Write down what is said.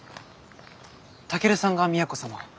健さんが都様を。